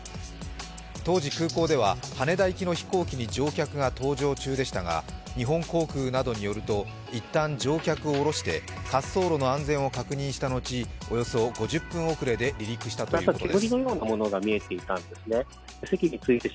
当時、空港では羽田行きの飛行機に乗客が搭乗中でしたが日本航空などによるといったん乗客を降ろして滑走路の安全を確認した後、およそ５０分遅れで離陸したということです。